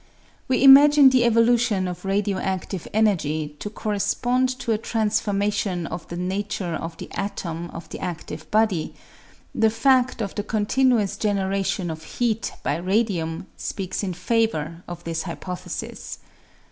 We may imagine the evolution of radio aClive energy to correspond to a transformation of the nature of the atom of the adlive body ; the fact of the continuous generation of heat by radium speaks in favour of this hypothesis.